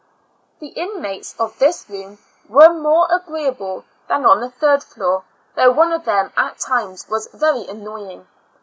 The inmates of this room were more agreeable than on the third floor, though one of them, at times, was very annoying.